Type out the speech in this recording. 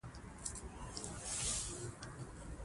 ګړد وړه دی نه وي، خو چې سات تیر وي.